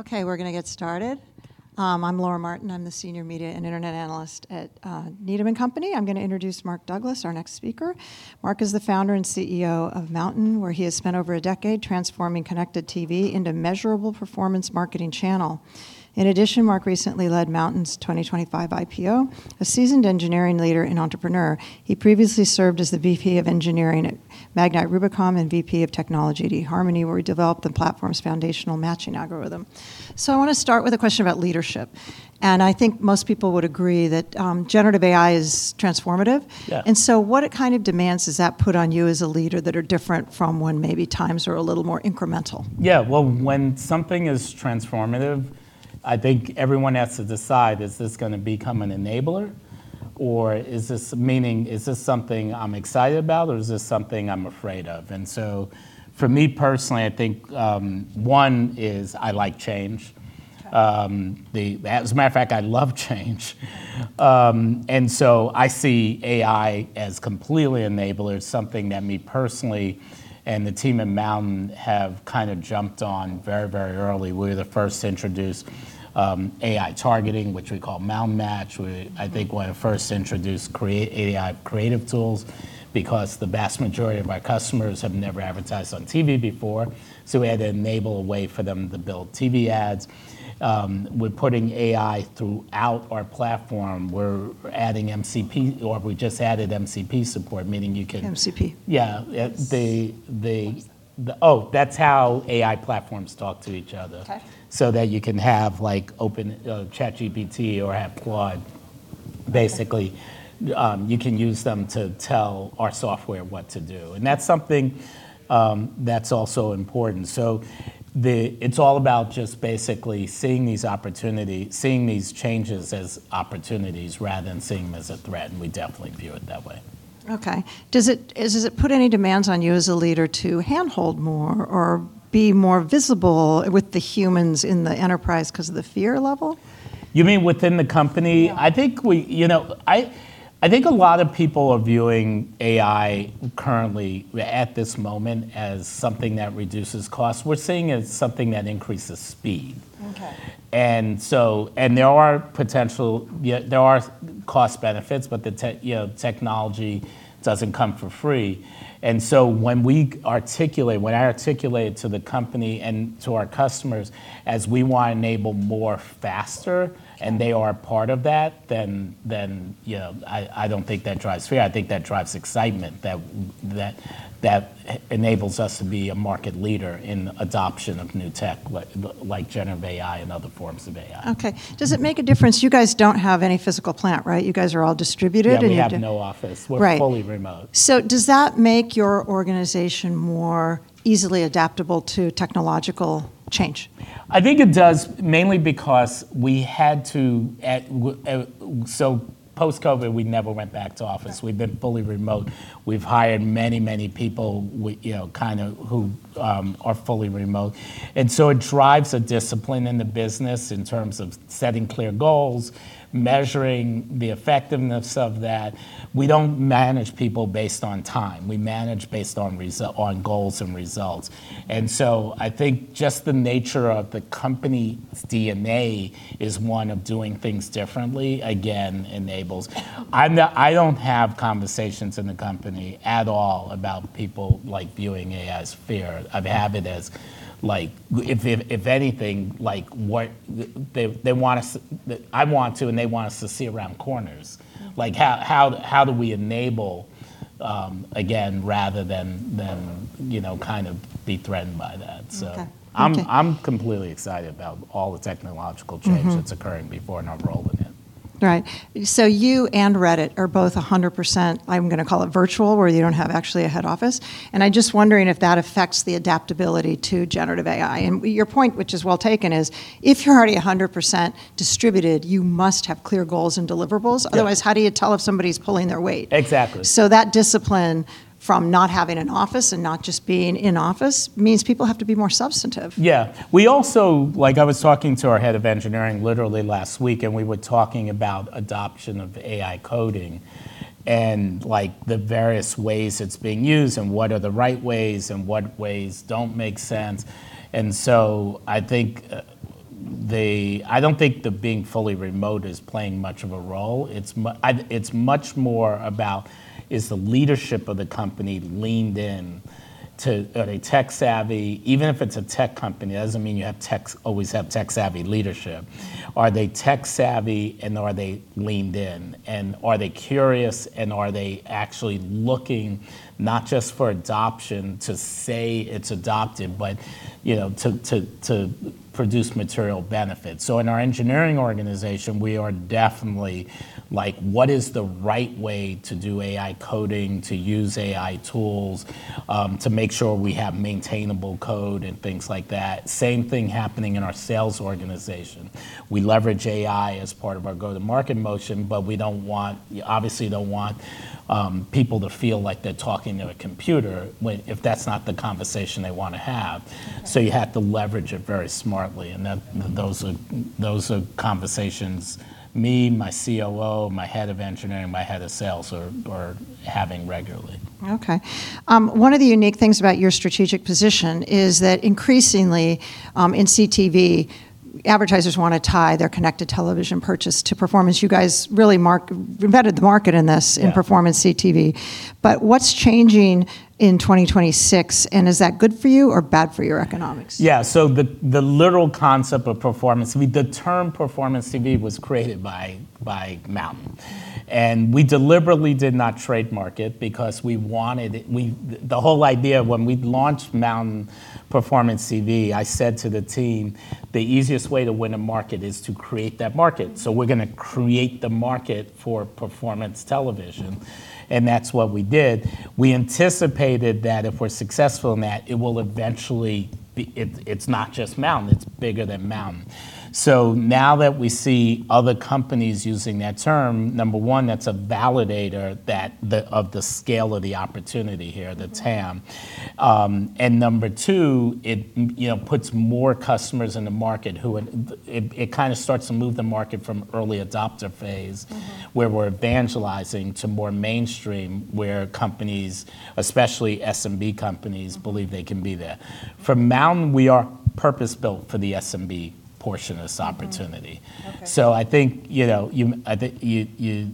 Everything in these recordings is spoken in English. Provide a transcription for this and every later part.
Mike. Okay, we're gonna get started. I'm Laura Martin. I'm the Senior Media and Internet Analyst at Needham & Company. I'm gonna introduce Mark Douglas, our next speaker. Mark is the Founder and CEO of MNTN, where he has spent over a decade transforming connected TV into measurable performance marketing channel. Mark recently led MNTN's 2025 IPO. A seasoned engineering leader and entrepreneur, he previously served as the VP of Engineering at Magnite, Rubicon Project, and VP of Technology at eHarmony, where he developed the platform's foundational matching algorithm. I wanna start with a question about leadership, and I think most people would agree that generative AI is transformative. What kind of demands does that put on you as a leader that are different from when maybe times are a little more incremental? When something is transformative, I think everyone has to decide, is this gonna become an enabler, or is this something I'm excited about, or is this something I'm afraid of? For me personally, I think, one is I like change. As a matter of fact, I love change. I see AI as completely enabler, something that me personally and the team at MNTN have kinda jumped on very, very early. We're the first to introduce AI targeting, which we call MNTN Matched. We're, I think, one of the first to introduce AI creative tools, because the vast majority of our customers have never advertised on TV before, so we had to enable a way for them to build TV ads. We're putting AI throughout our platform. We're adding MCP, or we just added MCP support, meaning you can. MCP? Yeah. Yeah. Oh, that's how AI platforms talk to each other. Okay. That you can have, like, open ChatGPT or have Claude basically. You can use them to tell our software what to do, that's also important. It's all about just basically seeing these changes as opportunities rather than seeing them as a threat, we definitely view it that way. Okay. Does it put any demands on you as a leader to handhold more or be more visible with the humans in the enterprise 'cause of the fear level? You mean within the company? Yeah. You know, I think a lot of people are viewing AI currently at this moment as something that reduces costs. We're seeing it as something that increases speed. Okay. There are potential cost benefits, but you know, technology doesn't come for free. When we articulate, when I articulate to the company and to our customers as we want to enable more faster- They are a part of that, then, you know, I don't think that drives fear. I think that drives excitement that enables us to be a market leader in adoption of new tech, like Generative AI and other forms of AI. Okay. Does it make a difference? You guys don't have any physical plant, right? You guys are all distributed. Yeah, we have no office. Right. We're fully remote. Does that make your organization more easily adaptable to technological change? I think it does, mainly because we had to, post-COVID, we never went back to office. We've been fully remote. We've hired many, many people you know, kinda who are fully remote. It drives a discipline in the business in terms of setting clear goals, measuring the effectiveness of that. We don't manage people based on time. We manage based on goals and results. I think just the nature of the company's DNA is one of doing things differently, again, enables I don't have conversations in the company at all about people, like, viewing AI as fear. I have it as, if anything, what they want us to, and they want us to see around corners. How do we enable, again, rather than, you know, kind of be threatened by that? Okay. Okay. I'm completely excited about all the technological change that's occurring, and we're born, and I'm rolling in. Right. You and Reddit are both 100%, I'm going to call it virtual, where you don't have actually a head office, and I'm just wondering if that affects the adaptability to generative AI. Your point, which is well-taken, is if you're already 100% distributed, you must have clear goals and deliverables. Otherwise, how do you tell if somebody's pulling their weight? Exactly. That discipline from not having an office and not just being in office means people have to be more substantive. Yeah. We also Like, I was talking to our head of engineering literally last week, and we were talking about adoption of AI coding and, like, the various ways it's being used and what are the right ways and what ways don't make sense. I don't think the being fully remote is playing much of a role. It's much more about is the leadership of the company leaned in to are they tech-savvy? Even if it's a tech company, it doesn't mean you always have tech-savvy leadership. Are they tech-savvy, and are they leaned in? Are they curious, and are they actually looking not just for adoption to say it's adopted but, you know, to produce material benefits? In our engineering organization, we are definitely like, "What is the right way to do AI coding, to use AI tools, to make sure we have maintainable code and things like that?" Same thing happening in our sales organization. We leverage AI as part of our go-to-market motion, but we obviously don't want people to feel like they're talking to a computer when if that's not the conversation they wanna have. You have to leverage it very smartly, and that, those are conversations me, my COO, my Head of Engineering, my Head of Sales are having regularly. Okay. One of the unique things about your strategic position is that increasingly, in CTV, advertisers wanna tie their Connected TV purchase to performance. You guys really embedded the market in this in Performance CTV. What's changing in 2026, and is that good for you or bad for your economics? The literal concept of performance, the term Performance CTV was created by MNTN. We deliberately did not trademark it because we wanted it. The whole idea when we launched MNTN Performance TV, I said to the team, "The easiest way to win a market is to create that market. We're gonna create the market for performance television." That's what we did. We anticipated that if we're successful in that, it will eventually be. It's not just MNTN, it's bigger than MNTN. Now that we see other companies using that term, number one, that's a validator that the, of the scale of the opportunity here. the TAM. Number two, you know, puts more customers in the market who it kinda starts to move the market from early adopter phase, where we're evangelizing to more mainstream where companies, especially SMB companies believe they can be there. For MNTN, we are purpose-built for the SMB portion of this opportunity. I think, you know, the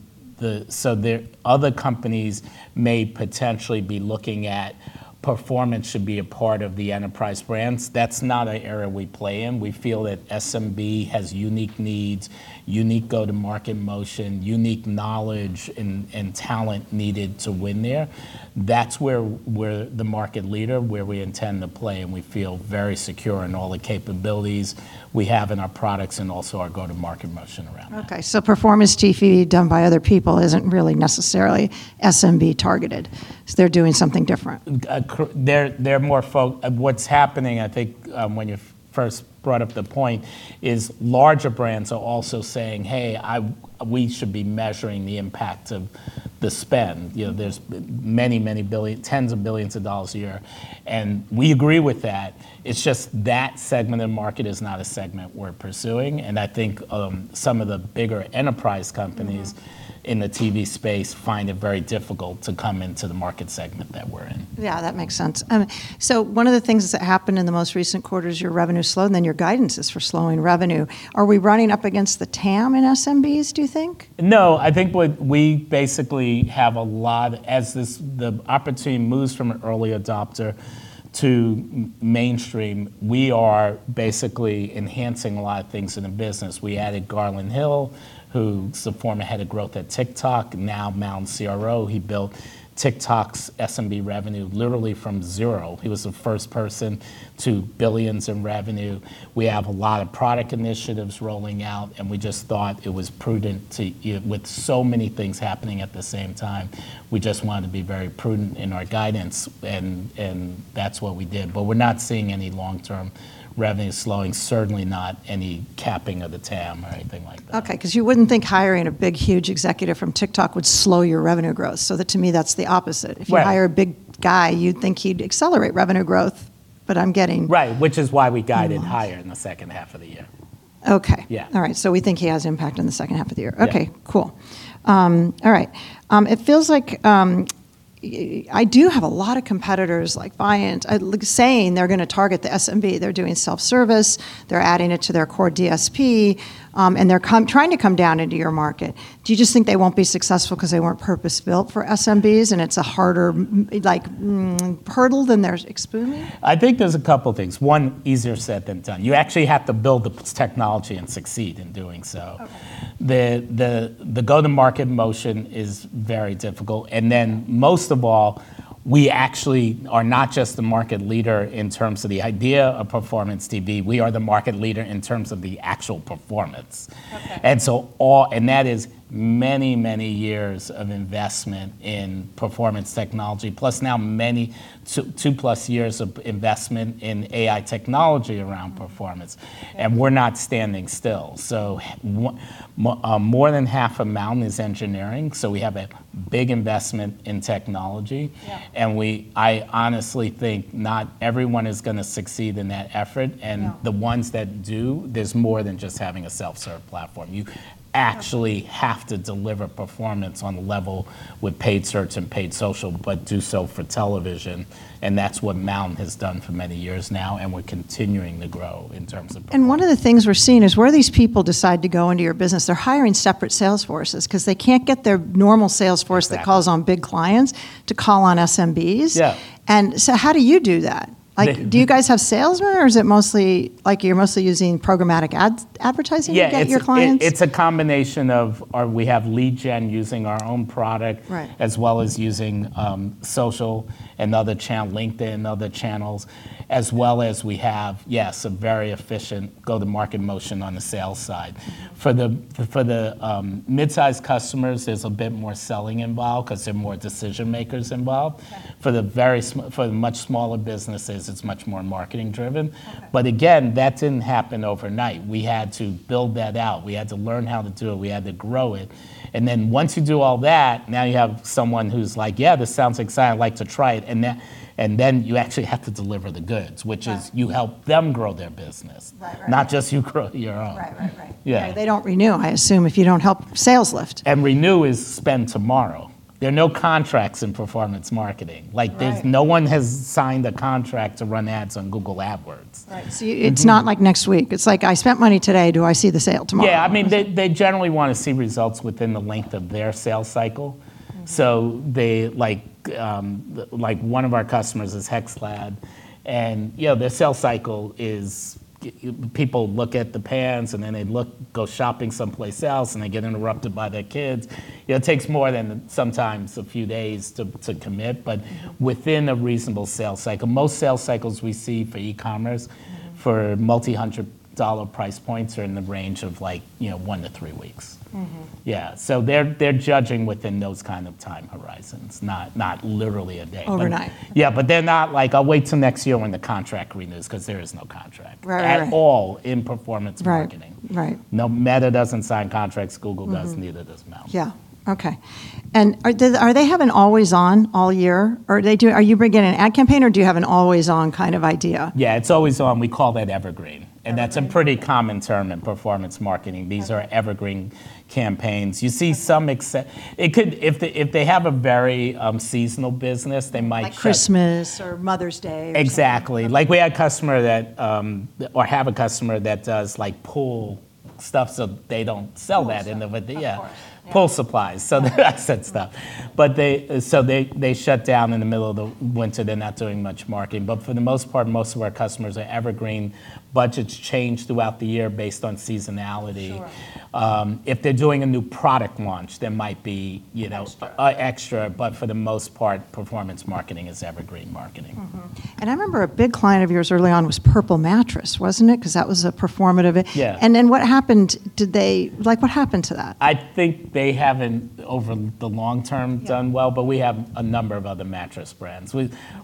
other companies may potentially be looking at performance should be a part of the enterprise brands. That's not a area we play in. We feel that SMB has unique needs, unique go-to-market motion, unique knowledge and talent needed to win there. That's where we're the market leader, where we intend to play, and we feel very secure in all the capabilities we have in our products and also our go-to-market motion around it. Performance TV done by other people isn't really necessarily SMB targeted, so they're doing something different. They're more focused on what's happening, I think, when you first brought up the point, is larger brands are also saying, "Hey, we should be measuring the impact of the spend." You know, there's many, many tens of billions of dollars a year, and we agree with that. It's just that segment of the market is not a segment we're pursuing, and I think, some of the bigger enterprise companies in the TV space find it very difficult to come into the market segment that we're in. Yeah, that makes sense. One of the things that happened in the most recent quarter is your revenue slowed, your guidance is for slowing revenue. Are we running up against the TAM in SMBs, do you think? No. I think what we basically have a lot, as this, the opportunity moves from a early adopter to mainstream, we are basically enhancing a lot of things in the business. We added Garland Hill, who's the former head of growth at TikTok and now MNTN CRO. He built TikTok's SMB revenue literally from zero, he was the first person, to $ billions in revenue. We have a lot of product initiatives rolling out. We just thought it was prudent to, with so many things happening at the same time, we just wanted to be very prudent in our guidance and that's what we did. We're not seeing any long-term revenue slowing, certainly not any capping of the TAM or anything like that. Okay, 'cause you wouldn't think hiring a big, huge executive from TikTok would slow your revenue growth. That to me, that's the opposite. If you hire a big guy, you'd think he'd accelerate revenue growth. Right the wrong- Which is why we guided higher. in the second half of the year. Okay. Yeah. All right. We think he has impact on the second half of the year. Yeah. Okay, cool. all right. It feels like, I do have a lot of competitors like Viant, saying they're gonna target the SMB. They're doing self-service, they're adding it to their core DSP, and they're trying to come down into your market. Do you just think they won't be successful 'cause they weren't purpose-built for SMBs and it's a harder like hurdle than they're assuming? I think there's a couple things. One, easier said than done. You actually have to build the technology and succeed in doing so. The go-to-market motion is very difficult. Most of all, we actually are not just the market leader in terms of the idea of Performance TV, we are the market leader in terms of the actual performance. That is many, many years of investment in performance technology, plus now two plus years of investment in AI technology around performance. And we're not standing still. More than half of MNTN is engineering, so we have a big investment in technology. Yeah. We, I honestly think not everyone is gonna succeed in that effort. No. The ones that do, there's more than just having a self-serve platform. actually have to deliver performance on the level with paid search and paid social, but do so for television, and that's what MNTN has done for many years now, and we're continuing to grow in terms of performance. One of the things we're seeing is where these people decide to go into your business, they're hiring separate sales forces 'cause they can't get their normal sales force. that calls on big clients to call on SMBs. Yeah. How do you do that? Like, do you guys have salesmen or is it mostly, like, you're mostly using programmatic advertising to get your clients? It's a combination we have lead gen using our own product-. Right as well as using social and other LinkedIn, other channels. As well as we have, yes, a very efficient go-to-market motion on the sales side. For the midsize customers, there's a bit more selling involved because there are more decision makers involved. Yeah. For the much smaller businesses, it's much more marketing driven. Again, that didn't happen overnight. We had to build that out. We had to learn how to do it. We had to grow it. Once you do all that, now you have someone who's like, "Yeah, this sounds exciting. I'd like to try it," and then, and then you actually have to deliver the goods. Which is you help them grow their business. Right, right. Not just you grow your own. Right, right. Yeah. They don't renew, I assume, if you don't help sales lift. Renew is spend tomorrow. There are no contracts in performance marketing. Like, there's no one has signed a contract to run ads on Google Ads. Right. it's not like next week. It's like, "I spent money today. Do I see the sale tomorrow? Yeah, I mean. They generally wanna see results within the length of their sales cycle. They, like one of our customers is HexClad, and you know, their sales cycle is people look at the pans and then they look, go shopping someplace else, and they get interrupted by their kids. You know, it takes more than sometimes a few days to commit. Within a reasonable sales cycle. Most sales cycles we see for e-commerce for multi-100 dollar price points are in the range of like, you know, one to three weeks. Yeah. They're judging within those kind of time horizons, not literally a day. Overnight. Yeah, but they're not like, "I'll wait till next year when the contract renews," 'cause there is no contract. Right at all in performance marketing. Right, right. No, Meta doesn't sign contracts. Google does, neither does MNTN. Yeah. Okay. Are they have an always on all year? Are you bringing an ad campaign or do you have an always on kind of idea? Yeah, it's always on. We call that evergreen. That's a pretty common term in performance marketing. These are evergreen campaigns. If they have a very seasonal business. Like Christmas or Mother's Day or something. Exactly. We had customer that, or have a customer that does, like, pool stuff, so they don't sell that. Pool supplies. That said stuff. They, so they shut down in the middle of the winter. They're not doing much marketing. For the most part, most of our customers are evergreen. Budgets change throughout the year based on seasonality. If they're doing a new product launch, there might be, you know. extra. For the most part, performance marketing is evergreen marketing. I remember a big client of yours early on was Purple Mattress, wasn't it? 'Cause that was a performative. Yeah. Then what happened? Did they Like, what happened to that? I think they haven't over the long term. Yeah done well, but we have a number of other mattress brands.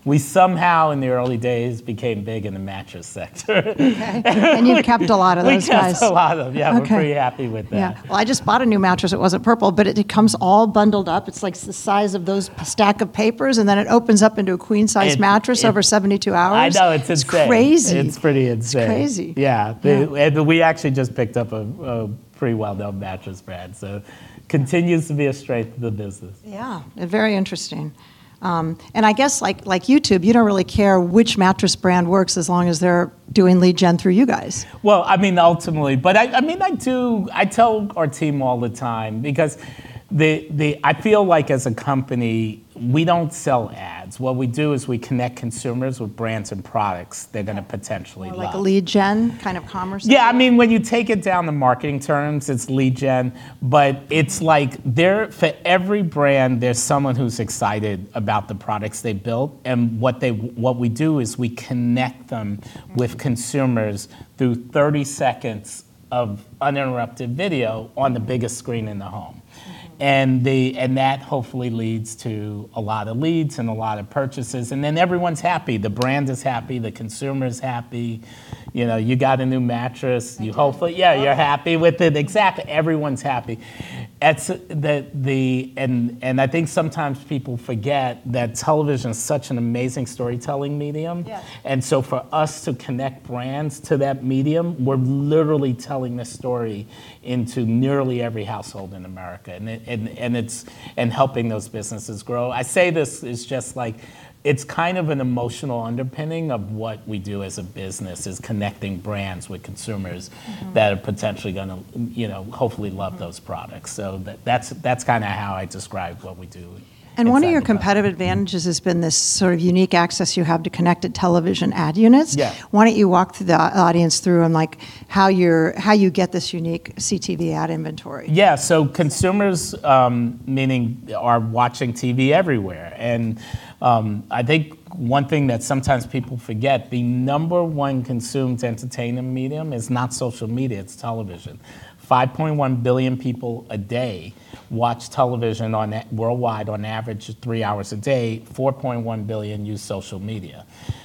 We somehow in the early days became big in the mattress sector. Okay. You've kept a lot of those guys. We kept a lot of them. Yeah, we're pretty happy with that. Yeah. Well, I just bought a new mattress. It wasn't Purple, but it comes all bundled up. It's like size of those stack of papers, and then it opens up into a queen-sized mattress over 72 hours. I know. It's crazy. It's crazy. It's pretty insane. It's crazy. Yeah. Yeah. We actually just picked up a pretty well-known mattress brand, so continues to be a strength of the business. Yeah. Very interesting. I guess like YouTube, you don't really care which mattress brand works as long as they're doing lead gen through you guys. Well, I mean, ultimately, but I mean, I do. I tell our team all the time because the I feel like as a company, we don't sell ads. What we do is we connect consumers with brands and products they're gonna potentially love. Like a lead gen kind of commerce thing? Yeah, I mean, when you take it down to marketing terms, it's lead gen. It's like there for every brand, there's someone who's excited about the products they build, and what we do is we connect them with consumers through 30 seconds of uninterrupted video on the biggest screen in the home. That hopefully leads to a lot of leads and a lot of purchases, everyone's happy. The brand is happy. The consumer's happy. You know, you got a new mattress. You hopefully, you're happy with it. Exactly. Everyone's happy. I think sometimes people forget that television's such an amazing storytelling medium. For us to connect brands to that medium, we're literally telling the story into nearly every household in America, and helping those businesses grow. I say this as just like, it's kind of an emotional underpinning of what we do as a business, is connecting brands with consumers that are potentially gonna, you know, hopefully love those products. That's kinda how I describe what we do inside our platform. One of your competitive advantages has been this sort of unique access you have to Connected TV ad units. Yeah. Why don't you walk the audience through on, like, how you get this unique CTV ad inventory? Yeah. Consumers, meaning are watching TV everywhere. I think one thing that sometimes people forget, the number one consumed entertainment medium is not social media, it's television. 5.1 billion people a day watch television worldwide on average three hours a day. 4.1 billion use social media.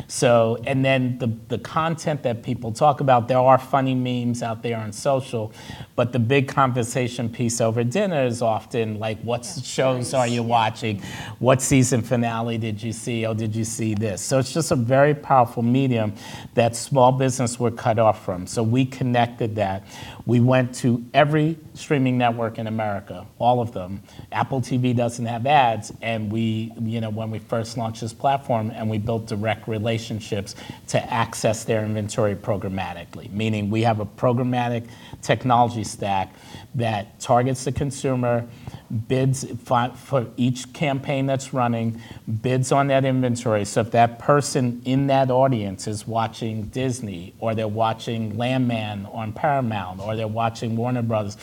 The content that people talk about, there are funny memes out there on social, but the big conversation piece over dinner is often. what shows are you watching? What season finale did you see? Or did you see this? It's just a very powerful medium that small business were cut off from. We connected that. We went to every streaming network in America, all of them. Apple TV doesn't have ads, and we, you know, when we first launched this platform, and we built direct relationships to access their inventory programmatically. Meaning, we have a programmatic technology stack that targets the consumer, bids for each campaign that's running, bids on that inventory. If that person in that audience is watching Disney, or they're watching Landman on Paramount, or they're watching Warner Bros.,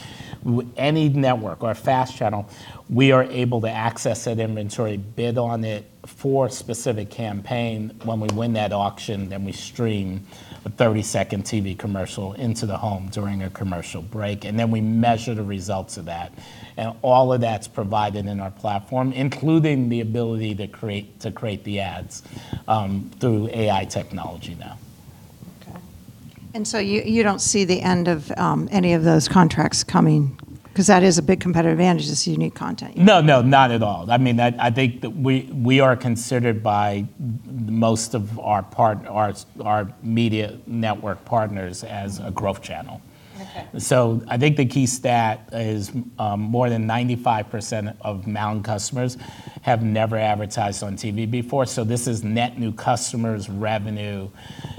any network or a FAST channel, we are able to access that inventory, bid on it for a specific campaign. We win that auction, then we stream a 30-second TV commercial into the home during a commercial break, then we measure the results of that. All of that's provided in our platform, including the ability to create the ads through AI technology now. Okay. You don't see the end of any of those contracts coming? Because that is a big competitive advantage is unique content. No, no, not at all. I mean, I think that we are considered by most of our media network partners as a growth channel. I think the key stat is, more than 95% of MNTN customers-Have never advertised on TV before, this is net new customers, revenue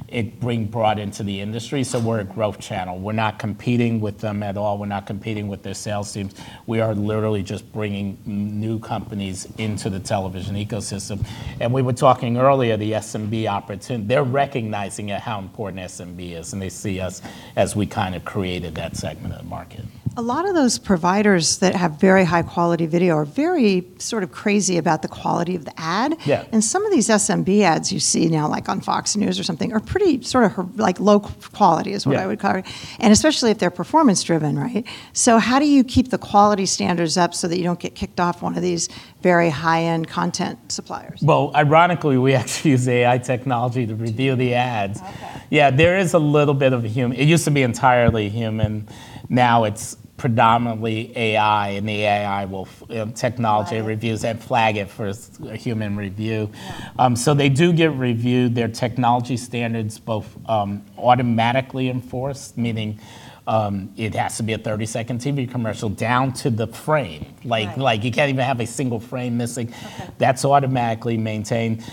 it brought into the industry. We're a growth channel. We're not competing with them at all. We're not competing with their sales teams. We are literally just bringing new companies into the television ecosystem. We were talking earlier, they're recognizing at how important SMB is, and they see us as we kind of created that segment of the market. A lot of those providers that have very high quality video are very sort of crazy about the quality of the ad. Yeah. Some of these SMB ads you see now, like on Fox News or something, are pretty sort of like, low quality. Yeah is what I would call it, especially if they're performance driven, right? How do you keep the quality standards up so that you don't get kicked off one of these very high-end content suppliers? Well, ironically, we actually use AI technology to review the ads. It used to be entirely human, now it's predominantly AI, and the AI will technology reviews. Flag it for a human review. They do get reviewed. There are technology standards both automatically enforced, meaning it has to be a 30-second TV commercial down to the frame. Like, you can't even have a single frame missing. That's automatically maintained.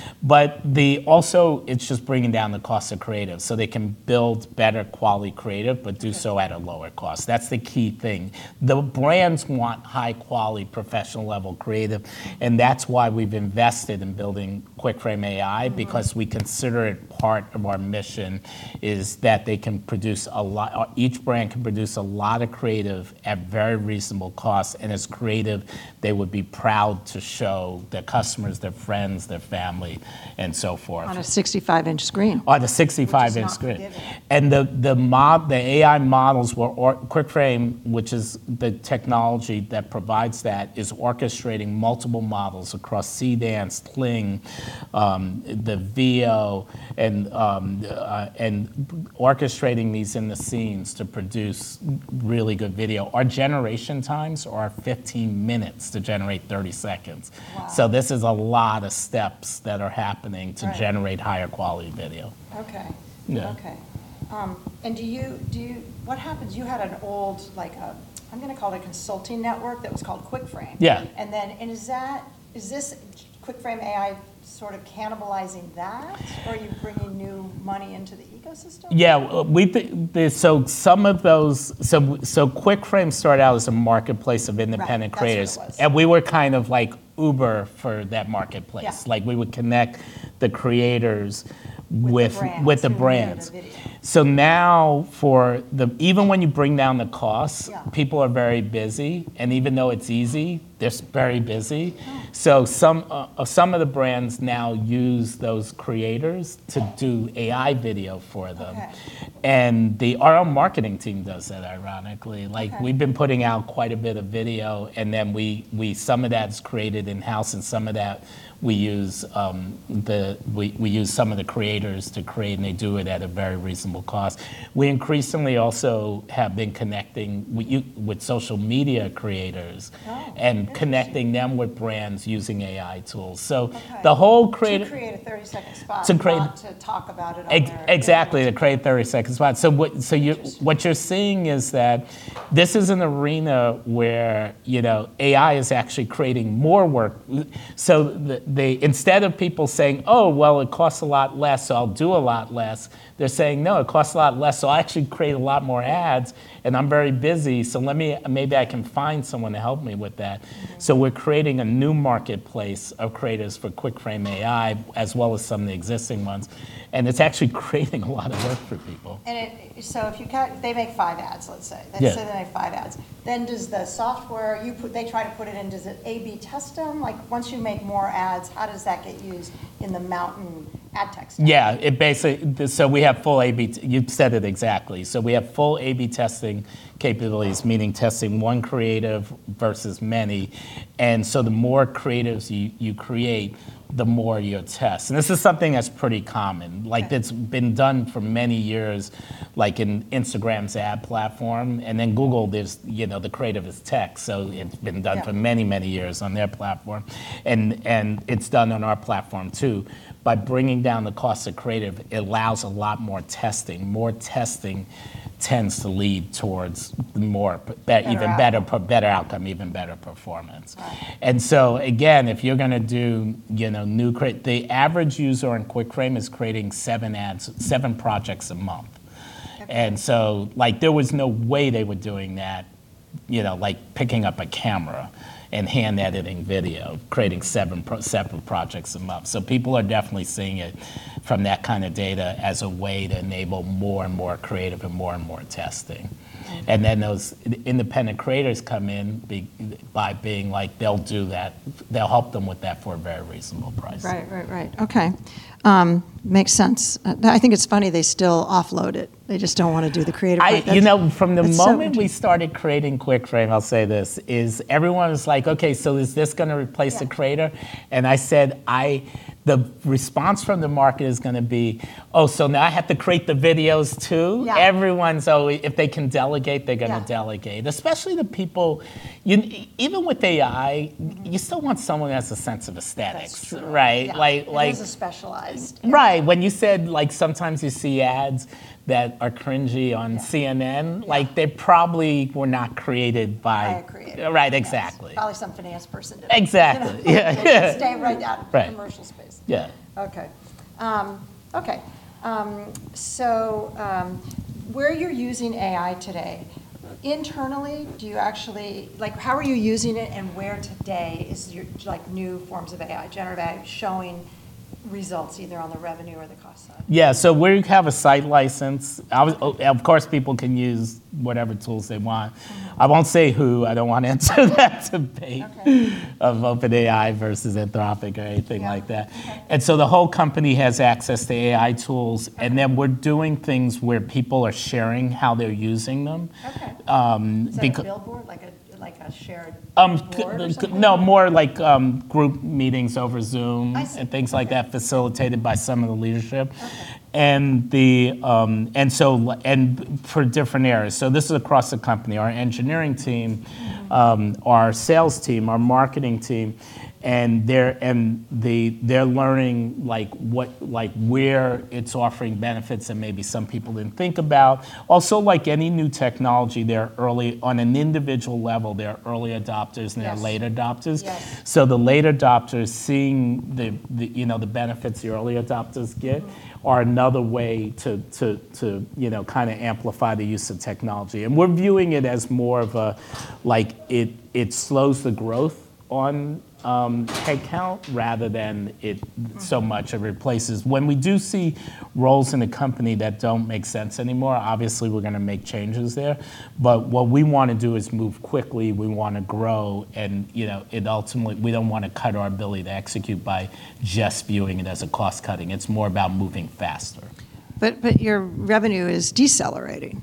Also, it's just bringing down the cost of creative, so they can build better quality creative, but do so at a lower cost. That's the key thing. The brands want high quality, professional level creative. That's why we've invested in building QuickFrame AI. We consider it part of our mission, is that they can produce a lot, each brand can produce a lot of creative at very reasonable costs, and it's creative they would be proud to show their customers, their friends, their family and so forth. On a 65-inch screen. On a 65-inch screen. Which is not for giving. The AI models were QuickFrame, which is the technology that provides that, is orchestrating multiple models across CDance, Kling, the Veo, and orchestrating these in the scenes to produce really good video. Our generation times are 15 minutes to generate 30 seconds. This is a lot of steps that are happening to generate higher quality video. Okay. Yeah. Okay. What happens, you had an old, I'm gonna call it a consulting network that was called QuickFrame. Yeah. Is that, is this QuickFrame AI sort of cannibalizing that? Are you bringing new money into the ecosystem? Yeah. There's some of those. QuickFrame started out as a marketplace of independent creators. Right, that's what it was. We were kind of like Uber for that marketplace. Yeah. Like, we would connect the creators with. With the brands who needed the video with the brands. now for the Even when you bring down the costs. Yeah people are very busy. Even though it's easy, they're very busy. Some of the brands now use those creators to do AI video for them. Okay. Our own marketing team does that ironically. Okay. Like, we've been putting out quite a bit of video, and then we, some of that's created in-house, and some of that we use some of the creators to create, and they do it at a very reasonable cost. We increasingly also have been connecting with social media creators. Oh, interesting. connecting them with brands using AI tools. Okay the whole creative- To create a 30-second spot. To create- not to talk about it on their Exactly, to create a 30-second spot. What? Interesting What you're seeing is that this is an arena where, you know, AI is actually creating more work. Instead of people saying, "Oh, well, it costs a lot less, so I'll do a lot less," they're saying, "No, it costs a lot less, so I'll actually create a lot more ads. I'm very busy, so let me maybe I can find someone to help me with that. We're creating a new marketplace of creators for QuickFrame AI, as well as some of the existing ones, and it's actually creating a lot of work for people. If you count, they make five ads, let's say. Let's say they make five ads. Does the software A/B test them? Like, once you make more ads, how does that get used in the MNTN ad tech stuff? Yeah. You said it exactly. We have full A/B testing capabilities, meaning testing one creative versus many. The more creatives you create, the more you'll test. This is something that's pretty common. Like, that's been done for many years, like in Instagram's ad platform, and then Google, there's, you know, the creative is tech. It's been done. Yeah for many, many years on their platform. It's done on our platform too. By bringing down the cost of creative, it allows a lot more testing. More testing tends to lead towards more even better outcome, even better performance. Right. The average user in QuickFrame is creating seven ads, seven projects a month. Okay. Like, there was no way they were doing that, you know, like picking up a camera and hand editing video, creating seven separate projects a month. People are definitely seeing it from that kind of data as a way to enable more and more creative and more and more testing. Then those independent creators come in by being like, they'll do that, they'll help them with that for a very reasonable price. Right. Right, right. Okay. Makes sense. I think it's funny they still offload it. They just don't wanna do the creative part. You know, from the moment- That's so interesting. we started creating QuickFrame, I'll say this, is everyone was like, "Okay, so is this gonna replace the creator? I said, "The response from the market is gonna be, 'Oh, so now I have to create the videos too?' Yeah. Everyone's always, if they can delegate, they're gonna delegate. Yeah. Especially the people even with AI, you still want someone who has a sense of aesthetics. Right? Yeah. Like That is a specialized. right. When you said, like, sometimes you see ads that are cringey on CNN. Yeah, yeah. like, they probably were not created. By a creative. right, exactly. Yes. Probably some finance person did it. Exactly. Yeah. They don't stay right. Right commercial space. Yeah. Okay. Okay. Where you're using AI today, internally, do you actually Like, how are you using it, and where today is your, like, new forms of AI, generative AI, showing results either on the revenue or the cost side? Yeah. Where you have a site license, of course, people can use whatever tools they want. I won't say who. I don't want to enter that debate. Okay of OpenAI versus Anthropic or anything like that so the whole company has access to AI tools, and then we're doing things where people are sharing how they're using them. Okay. Is that a billboard, like a? No, more like, group meetings over Zoom. I see. Things like that facilitated by some of the leadership. For different areas. This is across the company. Our engineering team, our sales team, our marketing team, and they're learning, like, what, like, where it's offering benefits that maybe some people didn't think about. Also, like any new technology, on an individual level, there are early adopters. There are late adopters. Yes. The late adopters seeing the, you know, the benefits the early adopters. are another way to, you know, kinda amplify the use of technology. We're viewing it as more of a, like, it slows the growth on headcount rather than. Much it replaces. When we do see roles in a company that don't make sense anymore, obviously we're gonna make changes there. What we wanna do is move quickly. We wanna grow and, you know, it ultimately, we don't wanna cut our ability to execute by just viewing it as a cost cutting. It's more about moving faster. Your revenue is decelerating.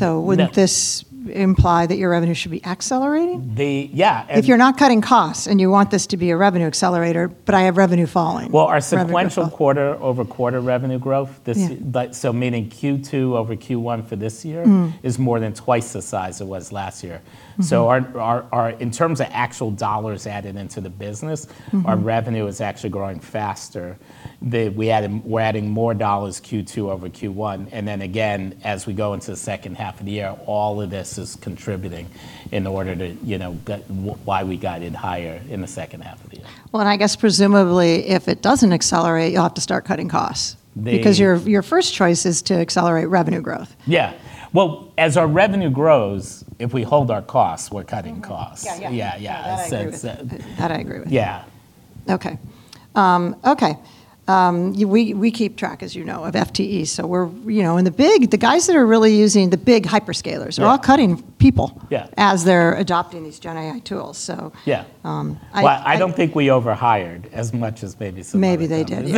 Yeah wouldn't this imply that your revenue should be accelerating? The Yeah, and- If you're not cutting costs and you want this to be a revenue accelerator, but I have revenue falling. Well, our sequential quarter-over-quarter revenue growth this Yeah Meaning Q2 over Q1 for this year. is more than twice the size it was last year. Our, in terms of actual dollars added into the business. Our revenue is actually growing faster. We're adding more $ Q2 over Q1, and again, as we go into the second half of the year, all of this is contributing in order to, you know, why we guided higher in the second half of the year. Well, I guess presumably if it doesn't accelerate, you'll have to start cutting costs. Maybe. Your first choice is to accelerate revenue growth. Yeah. As our revenue grows, if we hold our costs, we're cutting costs. Yeah, yeah. In a sense that- That I agree Yeah. Okay. we keep track, as you know, of FTEs, so we're, you know, the guys that are really using the big hyperscalers. are all cutting people. Yeah as they're adopting these gen AI tools. Yeah Well, I don't think we overhired as much as maybe some other companies. Maybe they did.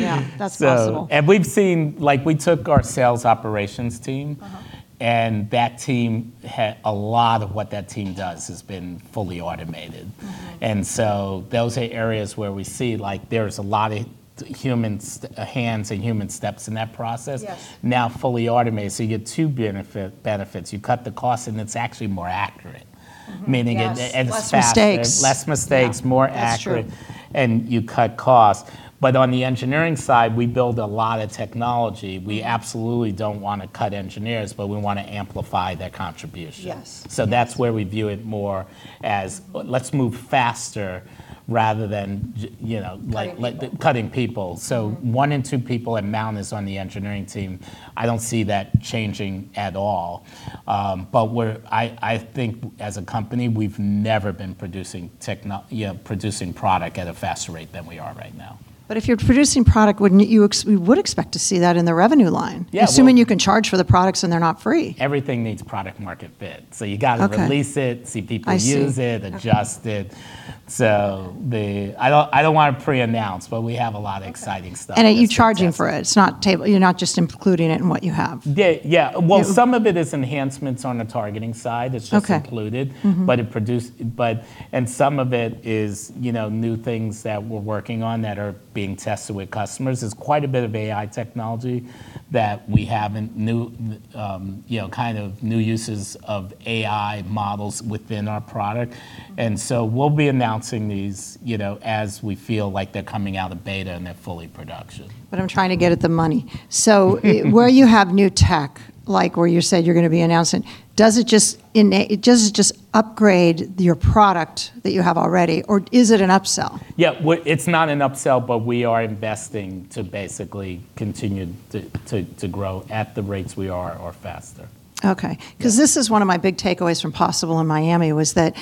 Yeah, that's possible. We've seen, like, we took our sales operations team and a lot of what that team does has been fully automated. Those are areas where we see, like, there's a lot of human hands and human steps in that process. Yes Now fully automated, so you get two benefits. You cut the cost, and it's actually more accurate. Meaning it it's faster Less mistakes. less mistakes, more accurate. Yeah, that's true. You cut cost. On the engineering side, we build a lot of technology. We absolutely don't wanna cut engineers, but we wanna amplify their contribution. Yes. Yes. That's where we view it more as let's move faster rather than you know, like cutting people. One in two people at MNTN is on the engineering team. I don't see that changing at all. We're, I think as a company we've never been producing product at a faster rate than we are right now. If you're producing product, we would expect to see that in the revenue line. Yeah, Assuming you can charge for the products and they're not free. Everything needs product market fit. Okay release it, see people use it, adjust it. I don't wanna preannounce, but we have a lot of exciting stuff that's in process. Okay. Are you charging for it? You're not just including it in what you have? Yeah, yeah. Some of it is enhancements on the targeting side. Okay that's just included. Some of it is, you know, new things that we're working on that are being tested with customers. There's quite a bit of AI technology that we have in new, you know, kind of new uses of AI models within our product. We'll be announcing these, you know, as we feel like they're coming out of beta and they're fully production. I'm trying to get at the money. Where you have new tech, like where you said you're gonna be announcing, does it just upgrade your product that you have already, or is it an upsell? Yeah. Well, it's not an upsell, but we are investing to basically continue to grow at the rates we are or faster. Okay. This is one of my big takeaways from POSSIBLE in Miami was that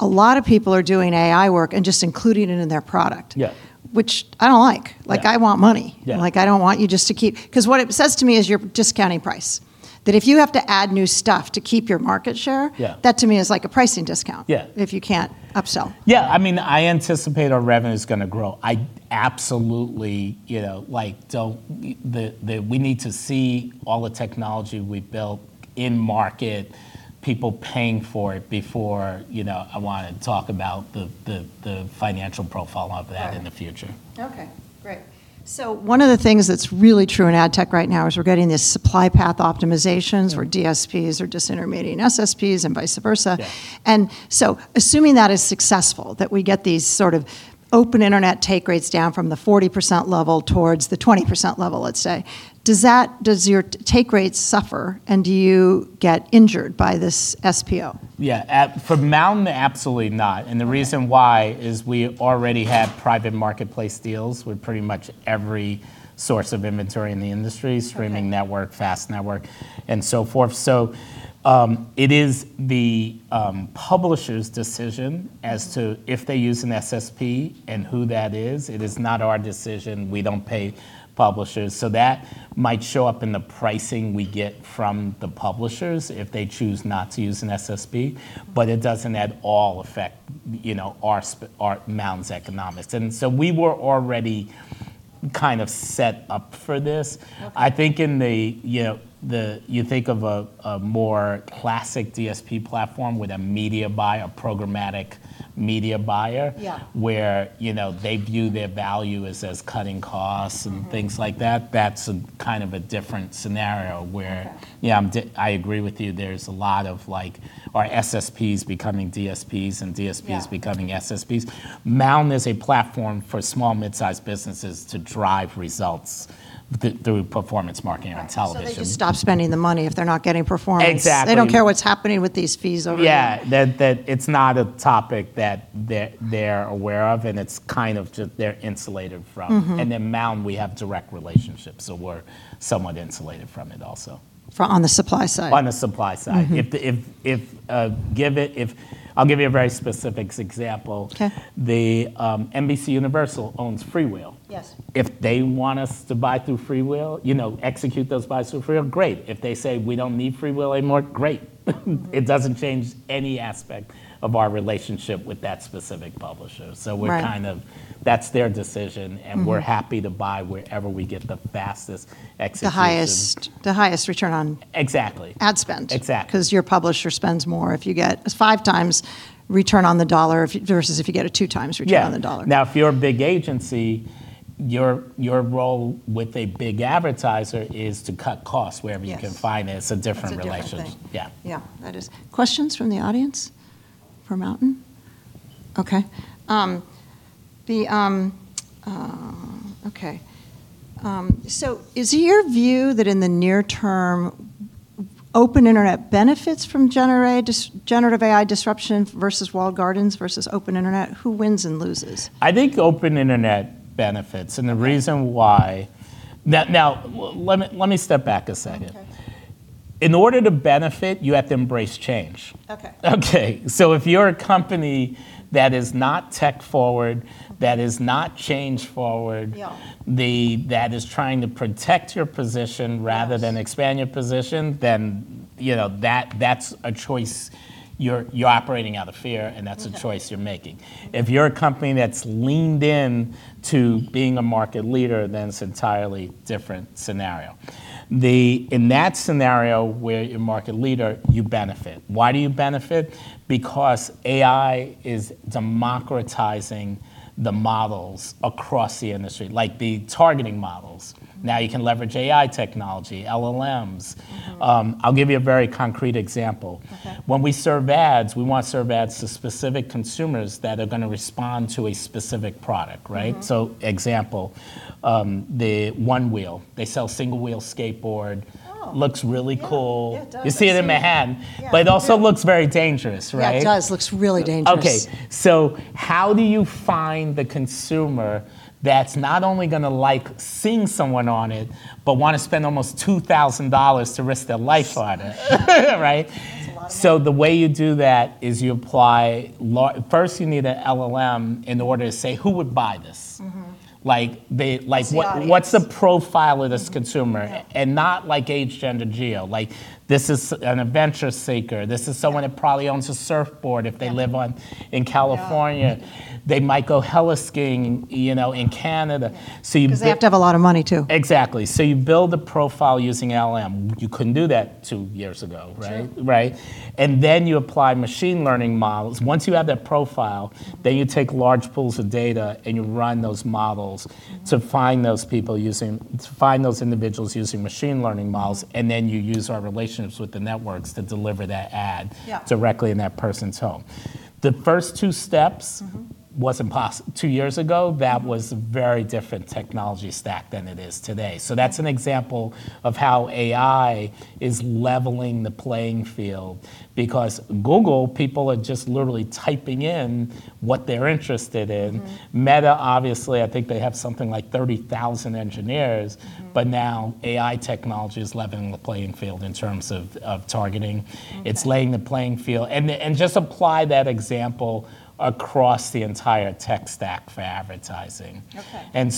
a lot of people are doing AI work and just including it in their product. Yeah which I don't like. Yeah. Like, I want money. Yeah. Like, I don't want you just to keep 'Cause what it says to me is you're discounting price, that if you have to add new stuff to keep your market share that to me is like a pricing discount. Yeah if you can't upsell. Yeah. I mean, I anticipate our revenue's gonna grow. I absolutely, you know, like, we need to see all the technology we've built in market, people paying for it before, you know, I wanna talk about the financial profile of that in the future. Okay. Great. One of the things that's really true in ad tech right now is we're getting this supply path optimizations where DSPs are disintermediating SSPs and vice versa. Assuming that is successful, that we get these sort of open internet take rates down from the 40% level towards the 20% level, let's say, does your take rates suffer, and do you get injured by this SPO? Yeah. For MNTN, absolutely not and the reason why is we already have private marketplace deals with pretty much every source of inventory in the industry streaming network, FAST network, and so forth. It is the publisher's decision. if they use an SSP and who that is. It is not our decision. We don't pay publishers. That might show up in the pricing we get from the publishers if they choose not to use an SSP. It doesn't at all affect, you know, our MNTN's economics. We were already kind of set up for this. I think in the, you know, You think of a more classic DSP platform with a media buyer, a programmatic media buyer. Yeah where, you know, they view their value as cutting costs. Things like that. That's a kind of a different scenario. yeah, I agree with you. There's a lot of, like, are SSPs becoming DSPs and DSPs. Yeah becoming SSPs. MNTN is a platform for small mid-sized businesses to drive results through performance marketing on television. Right. They can stop spending the money if they're not getting performance. Exactly. They don't care what's happening with these fees over here. Yeah. That it's not a topic that they're aware of, and it's kind of just they're insulated from. MNTN, we have direct relationships, so we're somewhat insulated from it also. For on the supply side. On the supply side. If I'll give you a very specific example. Okay. The NBCUniversal owns FreeWheel. Yes. If they want us to buy through FreeWheel, you know, execute those buys through FreeWheel, great. If they say, "We don't need FreeWheel anymore," great. It doesn't change any aspect of our relationship with that specific publisher. Right. we're kind of, that's their decision. We're happy to buy wherever we get the fastest execution. The highest return. Exactly ad spend. Exactly. 'Cause your publisher spends more if you get five times return on the dollar versus if you get a two times return on the dollar. Yeah. Now, if you're a big agency, your role with a big advertiser is to cut costs wherever you can find it. It's a different relationship. It's a different thing. Yeah. Yeah. That is. Questions from the audience for MNTN? Okay. Okay. Is your view that in the near term open internet benefits from generative AI disruption versus walled gardens versus open internet? Who wins and loses? I think open internet benefits, and the reason why. Now, let me step back a second. In order to benefit, you have to embrace change. Okay. Okay? If you're a company that is not tech forward, that is not change forward. Yeah the, that is trying to protect your position rather than expand your position, you know, that's a choice. You're operating out of fear, and that's a choice you're making. If you're a company that's leaned in to being a market leader, then it's entirely different scenario. In that scenario where you're market leader, you benefit. Why do you benefit? Because AI is democratizing the models across the industry, like the targeting models. Now you can leverage AI technology, LLMs. I'll give you a very concrete example. Okay. When we serve ads, we wanna serve ads to specific consumers that are gonna respond to a specific product, right? Example, the Onewheel. They sell single-wheel skateboard. Oh. Looks really cool. Yeah, it does. I've seen it. You see it in Manhattan. Yeah. Yeah. It also looks very dangerous, right? It does. Looks really dangerous. How do you find the consumer that's not only gonna like seeing someone on it, but wanna spend almost $2,000 to risk their life on it? Right? That's a lot of money. The way you do that is First you need an LLM in order to say, "Who would buy this? Like, the, like- What's the profile of this consumer? Okay. Not, like, age, gender, geo. Like, this is an adventure seeker. This is someone that probably owns a surfboard if they live on. in California. They might go heli-skiing, you know, in Canada. They have to have a lot of money, too. Exactly. You build a profile using LLM. You couldn't do that two years ago, right? True. Right? Then you apply machine learning models. Once you have that profile, then you take large pools of data and you run those models. to find those individuals using machine learning models, and then you use our relationships with the networks to deliver that ad. Yeah directly in that person's home. The first two steps. Two years ago, that was very different technology stack than it is today. That's an example of how AI is leveling the playing field because Google, people are just literally typing in what they're interested in. Meta, obviously, I think they have something like 30,000 engineers. Now AI technology is leveling the playing field in terms of targeting. It's laying the playing field. Just apply that example across the entire tech stack for advertising. Okay.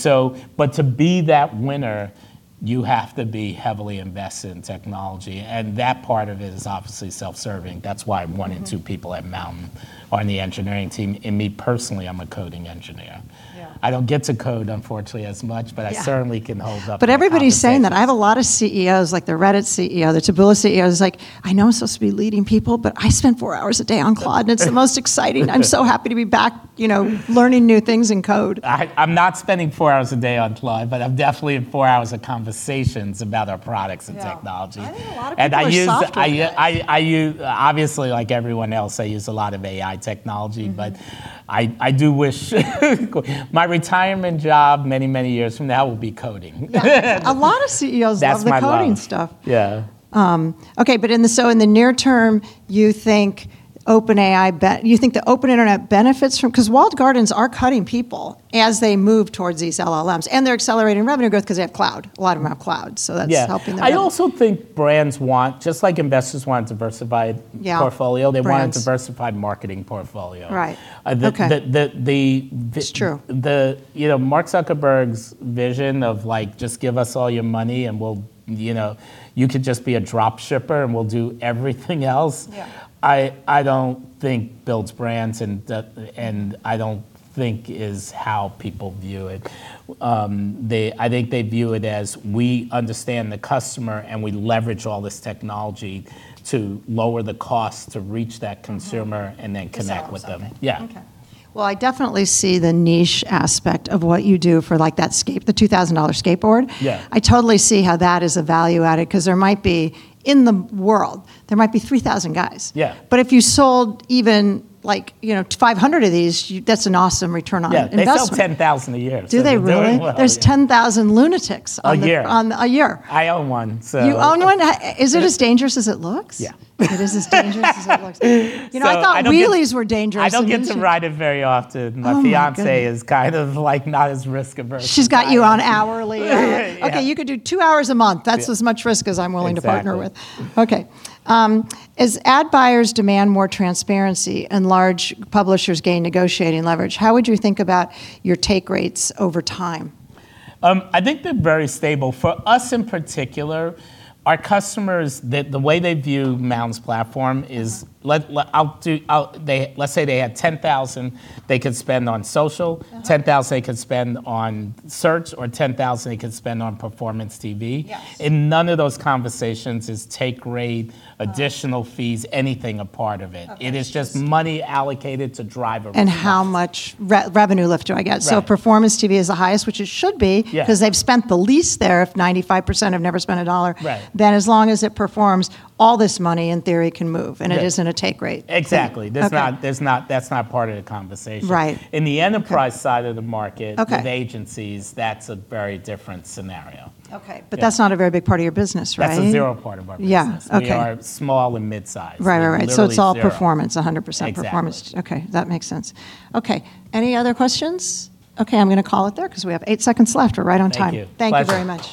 To be that winner, you have to be heavily invested in technology, and that part of it is obviously self-serving. That's why one in two people at MNTN are on the engineering team, and me personally, I'm a coding engineer. I don't get to code unfortunately as much. Yeah certainly can hold up my end of the conversation. Everybody's saying that. I have a lot of CEOs, like the Reddit CEO, the Taboola CEO, it's like, "I know I'm supposed to be leading people, but I spend four hours a day on Claude, and it's the most exciting. I'm so happy to be back, you know, learning new things in code. I'm not spending four hours a day on Claude, but I'm definitely four hours of conversations about our products and technology. Yeah. I think a lot of people are softer than that. I use obviously, like everyone else, I use a lot of AI technology. I do wish my retirement job many, many years from now will be coding. Yeah. A lot of CEOs love the coding stuff. That's my love. Yeah. Okay, in the near term, you think the open internet benefits from because walled gardens are cutting people as they move towards these LLMs, and they're accelerating revenue growth because they have cloud? A lot of them have cloud. Yeah. I also think brands want, just like investors want a diversified- Yeah portfolio- Brands They want a diversified marketing portfolio. Right. Okay. The It's true. the, you know, Mark Zuckerberg's vision of, like, "Just give us all your money, and we'll, you know, you can just be a drop shipper, and we'll do everything else. Yeah I don't think builds brands. I don't think is how people view it. I think they view it as we understand the customer and we leverage all this technology to lower the cost to reach that consumer and then connect with them. Okay.Well, I definitely see the niche aspect of what you do for, like, that the $2,000 skateboard. Yeah. I totally see how that is a value add, 'cause there might be, in the world, there might be 3,000 guys. Yeah. If you sold even, like, you know, 500 of these, that's an awesome Return on Investment. Yeah. They sell 10,000 a year. They're doing well. Do they really? There's 10,000 lunatics on the A year On a year. I own one, so. You own one? Is it as dangerous as it looks? Yeah. It is as dangerous as it looks. So I don't get- You know, I thought wheelies were dangerous. I don't get to ride it very often. Oh, my goodness. My fiance is kind of, like, not as risk-averse as I am. She's got you on hourly. Yeah. Okay. You can do two hours a month. Yeah. That's as much risk as I'm willing to partner with. Exactly. Okay. As ad buyers demand more transparency and large publishers gain negotiating leverage, how would you think about your take rates over time? I think they're very stable. For us in particular, our customers, the way they view MNTN's platform is let's say they had $10,000 they could spend on social. $10,000 they could spend on search, or $10,000 they could spend on Performance TV. Yes. In none of those conversations is take rate. additional fees, anything a part of it. It is just money allocated to drive a result. How much revenue lift do I get? Right. Performance TV is the highest, which it should be. Yeah 'cause they've spent the least there, if 95% have never spent a dollar. Right. As long as it performs, all this money, in theory, can move. Yeah. It isn't a take rate. Exactly. Okay. That's not part of the conversation. Right. In the enterprise side. of the market- Okay with agencies, that's a very different scenario. Okay. That's not a very big part of your business, right? That's a zero part of our business. Yeah. Okay. We are small and midsize. Right, right. We're literally zero- It's all performance, 100% performance. Exactly. Okay. That makes sense. Okay. Any other questions? Okay, I'm gonna call it there, 'cause we have eight seconds left. We're right on time. Thank you. Thank you very much.